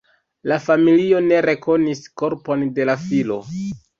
La familio ne rekonis korpon de la filo.